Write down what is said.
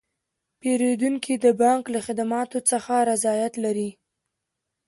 پیرودونکي د بانک له خدماتو څخه رضایت لري.